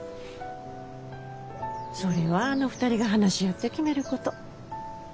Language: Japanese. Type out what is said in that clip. それはあの２人が話し合って決めること。